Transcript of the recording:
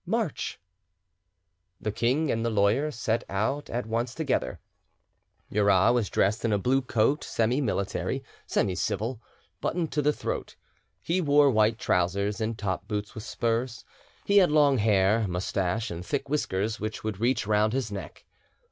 March!" The king and the lawyer set out at once together. Murat was dressed in a blue coat semi military, semi civil, buttoned to the throat; he wore white trousers and top boots with spurs; he had long hair, moustache, and thick whiskers, which would reach round his neck.